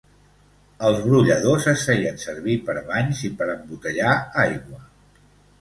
Els brolladors es feien servir per banys i per embotellar aigua.